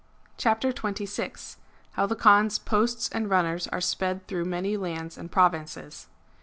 CHAPTER XXVI. How THE Kaan's Posts and Runners are sped through many Lands and Provinces.